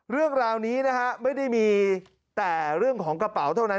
เรื่องราวนี้นะฮะไม่ได้มีแต่เรื่องของกระเป๋าเท่านั้น